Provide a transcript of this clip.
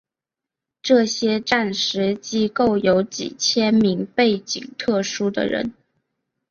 这些战时机构有几千名背景特殊的人。